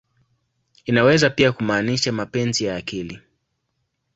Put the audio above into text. Inaweza pia kumaanisha "mapenzi ya akili.